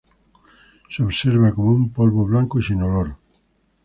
Se observa como un polvo blanco y sin olor.